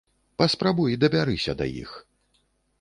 Паспрабуй дабярыся да іх.